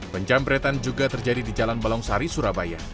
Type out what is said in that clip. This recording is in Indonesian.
penjambretan juga terjadi di jalan balongsari surabaya